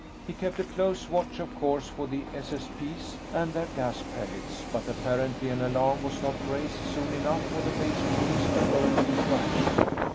He kept a close watch, of course, for the SSP's and their gas pellets; but apparently an alarm was not raised soon enough for the base police to hurl into action.